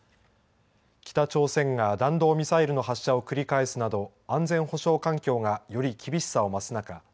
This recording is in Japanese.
北朝鮮が弾道ミサイルの発射を繰り返すなど安全保障環境がより厳しさを増す中